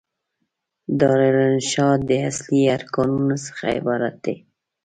دارالانشأ د اصلي ارکانو څخه عبارت دي.